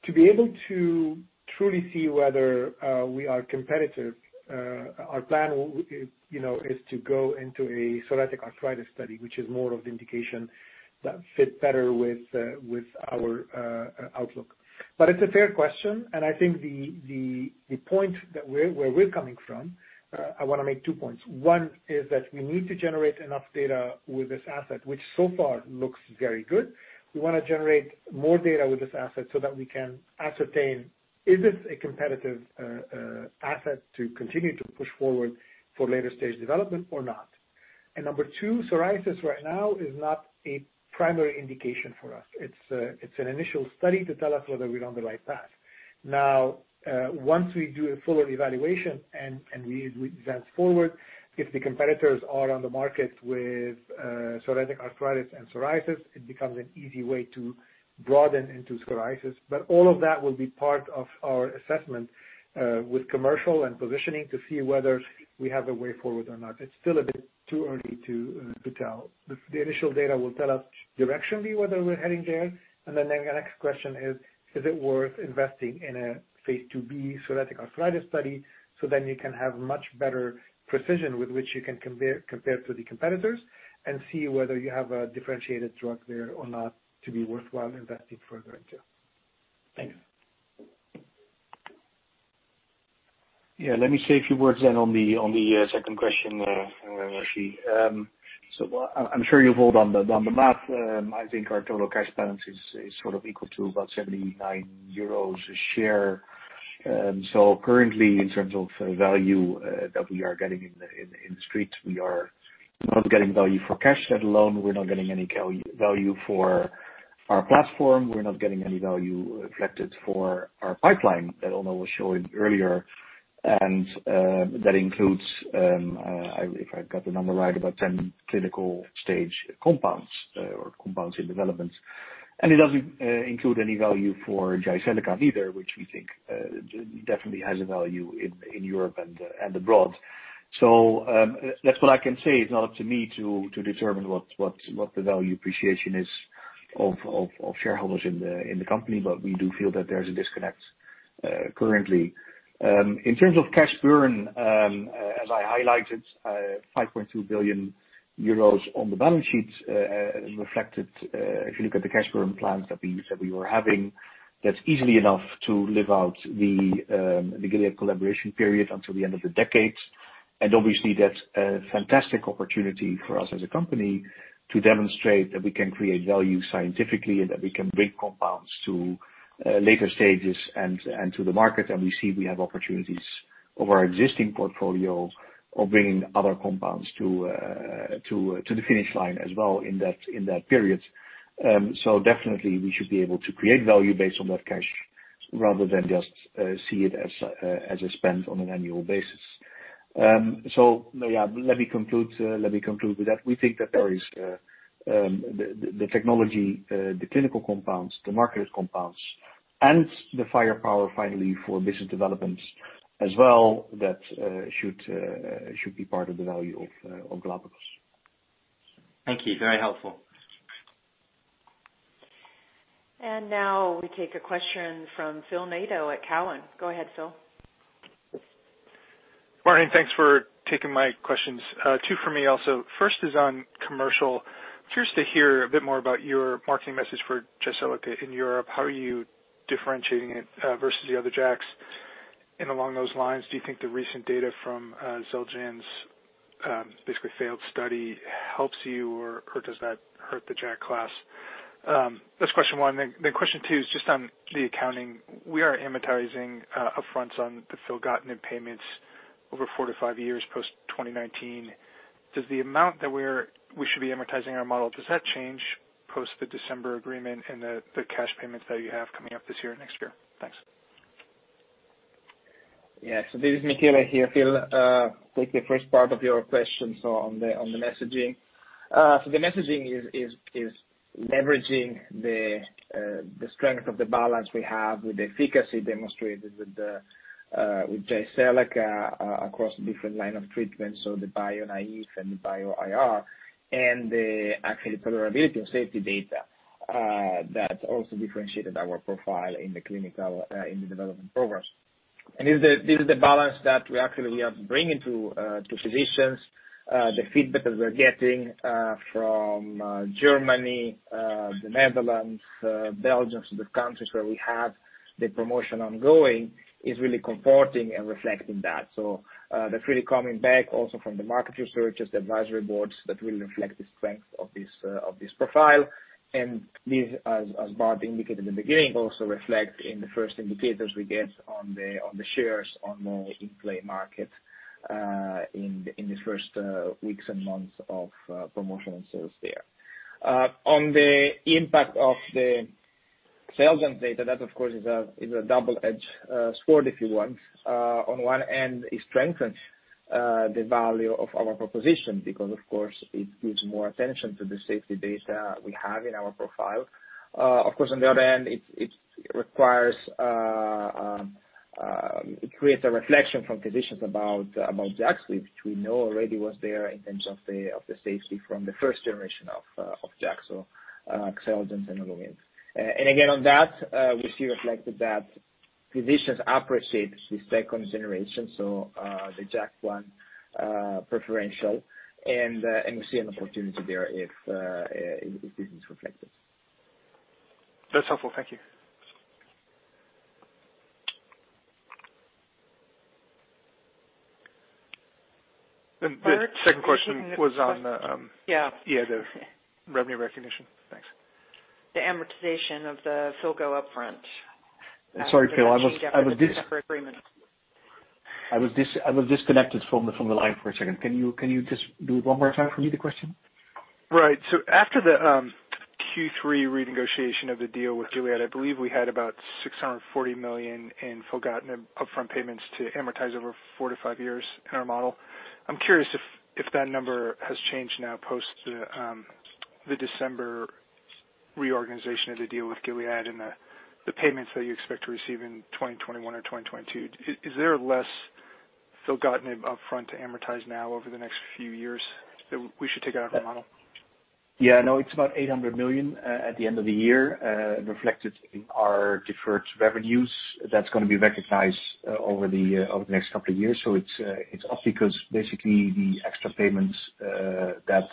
To be able to truly see whether we are competitive, our plan is to go into a psoriatic arthritis study, which is more of the indication that fits better with our outlook. It's a fair question, and I think the point that where we're coming from, I want to make two points. One is that we need to generate enough data with this asset, which so far looks very good. We want to generate more data with this asset so that we can ascertain, is this a competitive asset to continue to push forward for later-stage development or not? Number two, psoriasis right now is not a primary indication for us. It's an initial study to tell us whether we're on the right path. Once we do a fuller evaluation and we advance forward, if the competitors are on the market with psoriatic arthritis and psoriasis, it becomes an easy way to broaden into psoriasis. All of that will be part of our assessment with commercial and positioning to see whether we have a way forward or not. It's still a bit too early to tell. The initial data will tell us directionally whether we're heading there, and then the next question is it worth investing in a phase II-B psoriatic arthritis study so then you can have much better precision with which you can compare to the competitors and see whether you have a differentiated drug there or not to be worthwhile investing further into. Thanks. Yeah, let me say a few words then on the second question, Rushee. I'm sure you hold on the math. I think our total cash balance is sort of equal to about 79 euros a share. Currently, in terms of value that we are getting in the street, we are not getting value for cash let alone, we're not getting any value for our platform. We're not getting any value reflected for our pipeline that Onno was showing earlier. That includes, if I've got the number right, about 10 clinical-stage compounds or compounds in development. It doesn't include any value for Jyseleca either, which we think definitely has a value in Europe and abroad. That's what I can say. It's not up to me to determine what the value appreciation is of shareholders in the company, but we do feel that there's a disconnect currently. In terms of cash burn, as I highlighted, 5.2 billion euros on the balance sheet is reflected. If you look at the cash burn plans that we said we were having, that's easily enough to live out the Gilead collaboration period until the end of the decade. Obviously, that's a fantastic opportunity for us as a company to demonstrate that we can create value scientifically and that we can bring compounds to later stages and to the market. We see we have opportunities over our existing portfolio of bringing other compounds to the finish line as well in that period. Definitely we should be able to create value based on that cash rather than just see it as a spend on an annual basis. Yeah, let me conclude with that. We think that there is the technology, the clinical compounds, the marketed compounds, and the firepower finally for business development as well that should be part of the value of Galapagos. Thank you. Very helpful. Now we take a question from Phil Nadeau at Cowen. Go ahead, Phil. Morning. Thanks for taking my questions. Two from me also. First is on commercial. Curious to hear a bit more about your marketing message for Jyseleca in Europe. How are you differentiating it versus the other JAKs? Along those lines, do you think the recent data from Xeljanz basically failed study helps you or does that hurt the JAK class? That's question one. Question two is just on the accounting. We are amortizing upfronts on the filgotinib payments over four to five years post 2019. Does the amount that we should be amortizing our model, does that change post the December agreement and the cash payments that you have coming up this year and next year? Thanks. Yeah. This is Michele here, Phil. Take the first part of your question, so on the messaging. The messaging is leveraging the strength of the balance we have with the efficacy demonstrated with Jyseleca across different line of treatment, so the bio-naive and the Bio-IR, and the actually tolerability and safety data, that also differentiated our profile in the development programs. This is the balance that we actually are bringing to physicians. The feedback that we're getting from Germany, the Netherlands, Belgium, so the countries where we have the promotion ongoing, is really comforting and reflecting that. That's really coming back also from the market researches, the advisory boards that really reflect the strength of this profile. This, as Bart indicated in the beginning, also reflect in the first indicators we get on the shares on the in-play market, in the first weeks and months of promotion and sales there. On the impact of the sales and data, that of course is a double-edged sword, if you want. On one end, it strengthens the value of our proposition because of course it gives more attention to the safety data we have in our profile. Of course, on the other end, it creates a reflection from physicians about JAKs, which we know already was there in terms of the safety from the first generation of JAK, so Xeljanz and Olumiant. Again, on that, we see reflected that physicians appreciate the second generation, so, the JAK1 preferential, and we see an opportunity there if this is reflected. That's helpful. Thank you. Bart- The second question was on. Yeah. Yeah, the revenue recognition. Thanks. The amortization of the filgo upfront. Sorry, Phil. After the change after the December agreement. I was disconnected from the line for a second. Can you just do it one more time for me, the question? Right. After the Q3 renegotiation of the deal with Gilead, I believe we had about 640 million in filgotinib upfront payments to amortize over four to five years in our model. I am curious if that number has changed now post the December reorganization of the deal with Gilead and the payments that you expect to receive in 2021 or 2022. Is there less filgotinib upfront to amortize now over the next few years that we should take out of our model? Yeah. No, it's about 800 million, at the end of the year, reflected in our deferred revenues. That's going to be recognized over the next couple of years. It's up because basically the extra payments that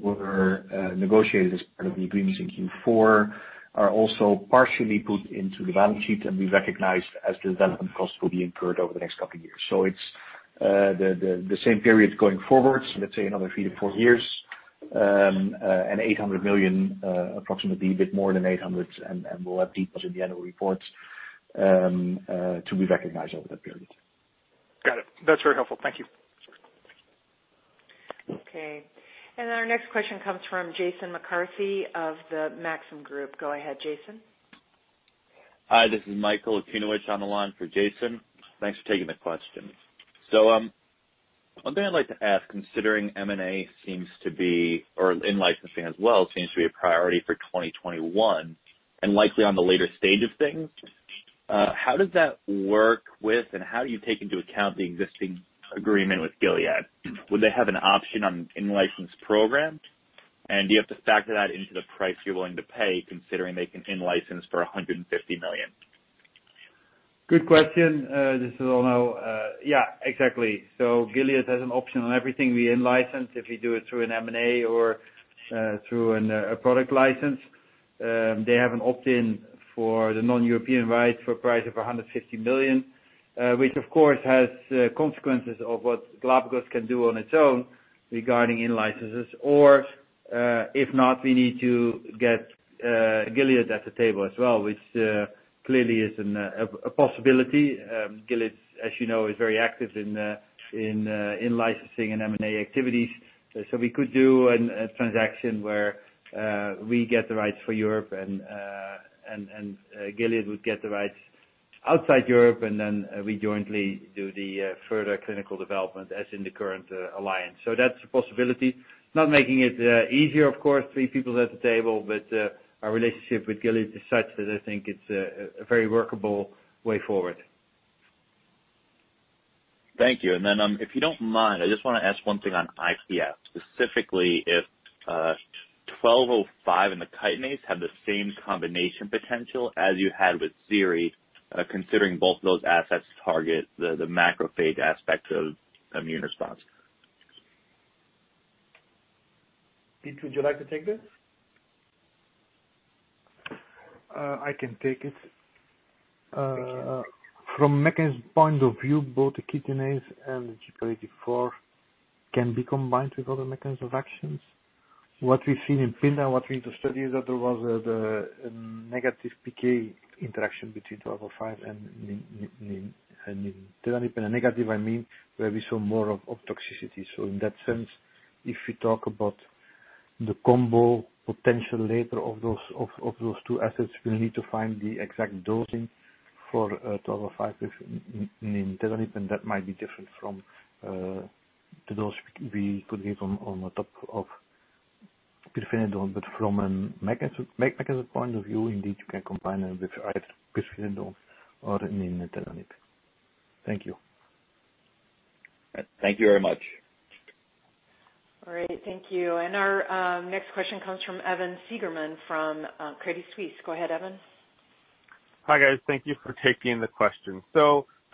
were negotiated as part of the agreements in Q4 are also partially put into the balance sheet and be recognized as development costs will be incurred over the next couple of years. It's the same period going forward, let's say another three to four years, and 800 million, approximately a bit more than 800 million, and we'll have details in the annual reports, to be recognized over that period. Got it. That is very helpful. Thank you. Okay. Our next question comes from Jason McCarthy of the Maxim Group. Go ahead, Jason. Hi, this is Michael Okunewitch on the line for Jason. Thanks for taking the question. One thing I'd like to ask, considering M&A seems to be, or in-licensing as well, seems to be a priority for 2021, and likely on the later stage of things. How does that work with and how do you take into account the existing agreement with Gilead? Would they have an option on in-license programs? Do you have to factor that into the price you're willing to pay, considering they can in-license for 150 million? Good question. This is Onno. Yeah, exactly. Gilead has an option on everything we in-license. If we do it through an M&A or through a product license. They have an opt-in for the non-European rights for a price of 150 million, which of course has consequences of what Galapagos can do on its own regarding in-licenses. If not, we need to get Gilead at the table as well, which clearly is a possibility. Gilead, as you know, is very active in in-licensing and M&A activities. We could do a transaction where we get the rights for Europe and Gilead would get the rights outside Europe, and then we jointly do the further clinical development as in the current alliance. That's a possibility. Not making it easier, of course, three people at the table, but our relationship with Gilead is such that I think it's a very workable way forward. Thank you. Then if you don't mind, I just want to ask one thing on IPF, specifically if 1205 and the chitinase have the same combination potential as you had with ziri, considering both those assets target the macrophage aspect of immune response. Piet, would you like to take this? I can take it. Thank you. From mechanism point of view, both the chitinase and 84 can be combined with other mechanisms of actions. What we've seen in PINTA, what we studied is that there was a negative PK interaction between 1205 and nintedanib. Negative, I mean, where we saw more of toxicity. In that sense, if we talk about the combo potential later of those two assets, we'll need to find the exact dosing for 1205 with nintedanib, and that might be different from the dose we could give on top of pirfenidone. From a mechanism point of view, indeed, you can combine it with either pirfenidone or nintedanib. Thank you. Thank you very much. All right. Thank you. Our next question comes from Evan Seigerman from Credit Suisse. Go ahead, Evan. Hi, guys. Thank you for taking the question.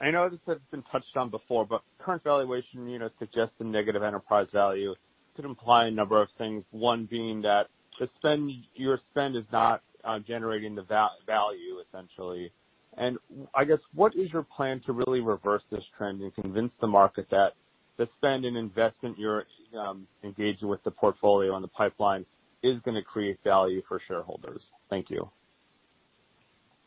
I know this has been touched on before, current valuation suggests a negative enterprise value could imply a number of things. One being that your spend is not generating the value, essentially. I guess, what is your plan to really reverse this trend and convince the market that the spend and investment you're engaging with the portfolio on the pipeline is going to create value for shareholders? Thank you.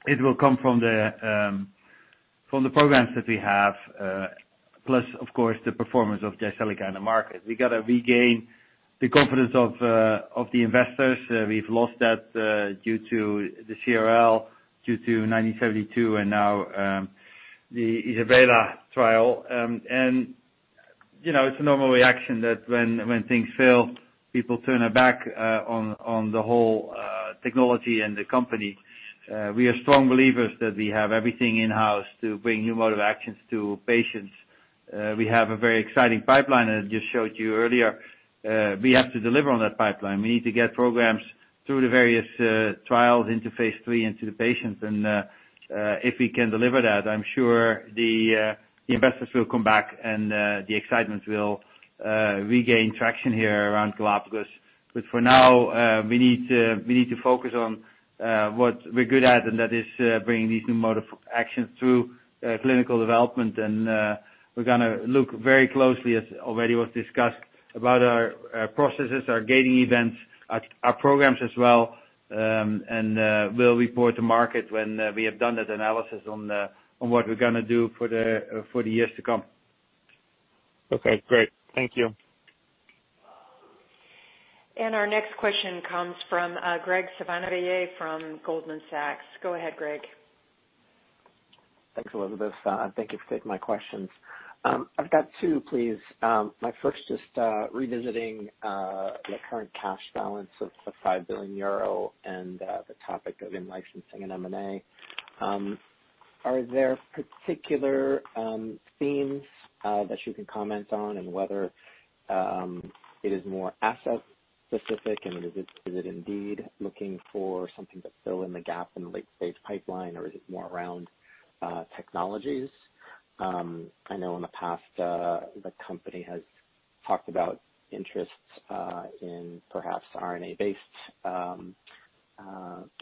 It will come from the programs that we have, plus of course, the performance of Jyseleca in the market. We got to regain the confidence of the investors. We've lost that due to the CRL, due to 1972 and now the ISABELA trial. It's a normal reaction that when things fail, people turn their back on the whole technology and the company. We are strong believers that we have everything in-house to bring new mode of actions to patients. We have a very exciting pipeline, as I just showed you earlier. We have to deliver on that pipeline. We need to get programs through the various trials into phase III into the patients. If we can deliver that, I'm sure the investors will come back and the excitement will regain traction here around Galapagos. For now, we need to focus on what we're good at, and that is bringing these new mode of actions through clinical development. We're going to look very closely, as already was discussed, about our processes, our gating events, our programs as well. We'll report to market when we have done that analysis on what we're going to do for the years to come. Okay, great. Thank you. Our next question comes from Graig Suvannavejh from Goldman Sachs. Go ahead, Graig. Thanks, Elizabeth. I think you've taken my questions. I've got two, please. My first just revisiting the current cash balance of the 5 billion euro and the topic of in-licensing and M&A. Are there particular themes that you can comment on and whether it is more asset specific, and is it indeed looking for something to fill in the gap in the late-stage pipeline, or is it more around technologies? I know in the past, the company has talked about interests in perhaps RNA-based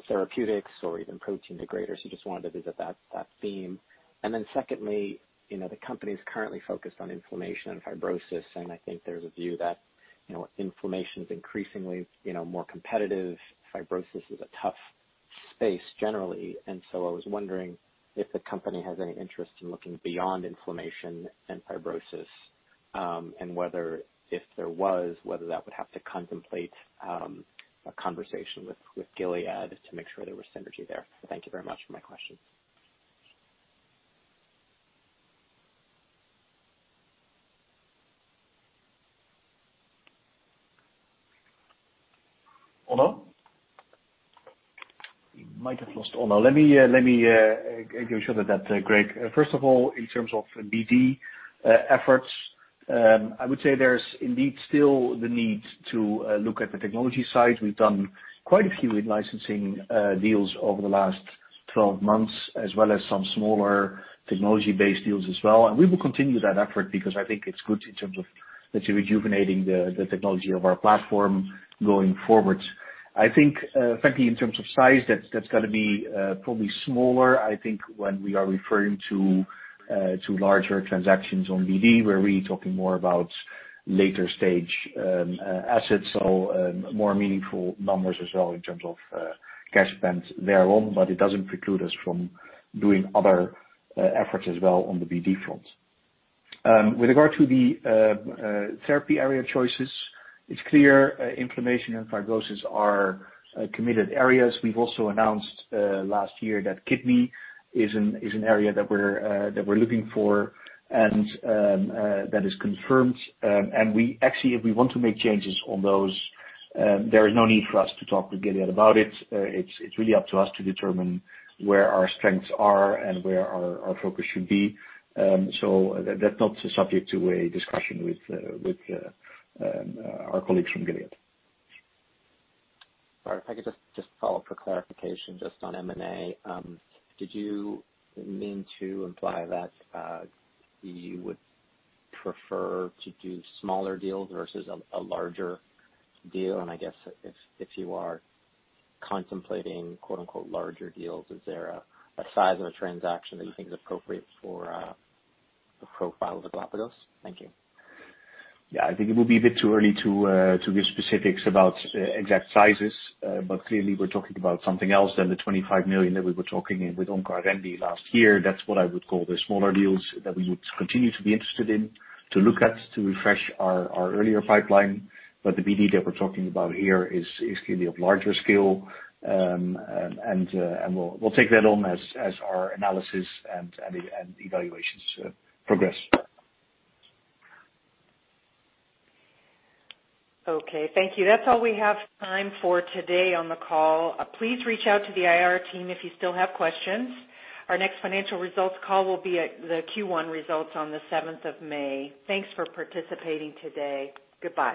therapeutics or even protein degraders. Just wanted to visit that theme. Secondly, the company's currently focused on inflammation and fibrosis, and I think there's a view that inflammation's increasingly more competitive. Fibrosis is a tough space generally. I was wondering if the company has any interest in looking beyond inflammation and fibrosis, and if there was, whether that would have to contemplate a conversation with Gilead to make sure there was synergy there. Thank you very much for my question. Onno. We might have lost Onno. Let me give you a shot at that, Graig. First of all, in terms of BD efforts, I would say there's indeed still the need to look at the technology side. We've done quite a few in-licensing deals over the last 12 months, as well as some smaller technology-based deals as well. We will continue that effort because I think it's good in terms of let's say rejuvenating the technology of our platform going forward. I think frankly, in terms of size, that's going to be probably smaller. I think when we are referring to larger transactions on BD, we're really talking more about later-stage assets or more meaningful numbers as well in terms of cash spend there on. It doesn't preclude us from doing other efforts as well on the BD front. With regard to the therapy area choices, it's clear inflammation and fibrosis are committed areas. We've also announced last year that kidney is an area that we're looking for, that is confirmed. Actually, if we want to make changes on those, there is no need for us to talk with Gilead about it. It's really up to us to determine where our strengths are and where our focus should be. That's not subject to a discussion with our colleagues from Gilead. All right. If I could just follow up for clarification just on M&A. Did you mean to imply that you would prefer to do smaller deals versus a larger deal? I guess if you are contemplating "larger deals," is there a size of a transaction that you think is appropriate for the profile of Galapagos? Thank you. Yeah. I think it would be a bit too early to give specifics about exact sizes. Clearly, we're talking about something else than the 25 million that we were talking with OncoArendi last year. That's what I would call the smaller deals that we would continue to be interested in to look at to refresh our earlier pipeline. The BD that we're talking about here is clearly of larger scale. We'll take that on as our analysis and evaluations progress. Okay. Thank you. That is all we have time for today on the call. Please reach out to the IR team if you still have questions. Our next financial results call will be at the Q1 results on the 7th of May. Thanks for participating today. Goodbye